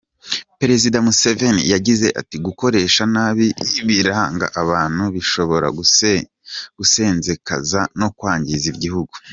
Perezida Museveni yagize ati “Gukoresha nabi ibiranga abantu bishobora gusenzekaza no kwangiza igihugu.